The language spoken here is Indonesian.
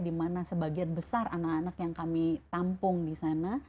dimana sebagian besar anak anak yang kami temukan